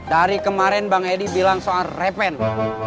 dari kemarin bang eddy bilang soal revenge